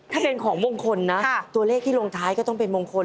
ถ้าเป็นของมงคลนะตัวเลขที่ลงท้ายก็ต้องเป็นมงคล